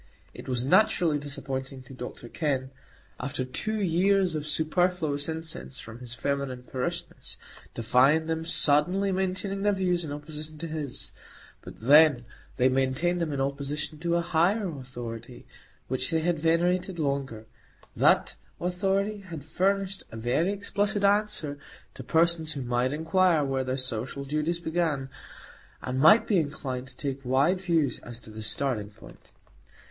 It was naturally disappointing to Dr Kenn, after two years of superfluous incense from his feminine parishioners, to find them suddenly maintaining their views in opposition to his; but then they maintained them in opposition to a higher Authority, which they had venerated longer. That Authority had furnished a very explicit answer to persons who might inquire where their social duties began, and might be inclined to take wide views as to the starting point.